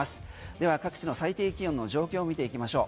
では各地の最低気温の状況を見ていきましょう。